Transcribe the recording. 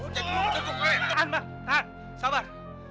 tahan bang tahan sabar